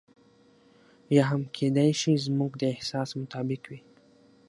یا هم کېدای شي زموږ د احساس مطابق وي.